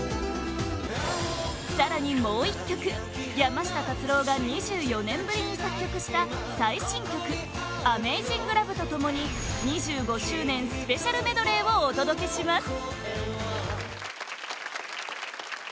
更にもう１曲、山下達郎が２４年ぶりに作曲した最新曲「ＡｍａｚｉｎｇＬｏｖｅ」と共に２５周年スペシャルメドレーをお届けします